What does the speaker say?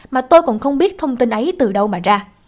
mà tôi cũng không biết thông tin ấy từ đâu mà ra